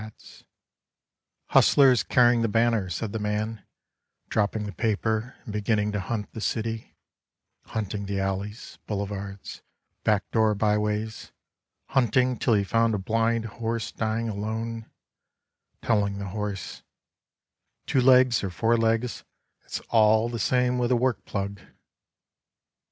36 Moon Riders " Hustlers carrying the banner," said the man Dropping the paper and beginning to hunt the city, Hunting the alleys, boulevards, back door by ways, Hunting till he found a blind horse dying alone, Telling the horse, " Two legs or four legs — it's all the same with a work plug."